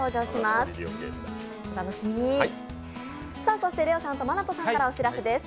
そして、ＬＥＯさんとＭＡＮＡＴＯさんからお知らせです。